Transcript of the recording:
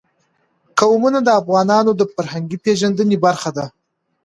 قومونه د افغانانو د فرهنګي پیژندنې برخه ده.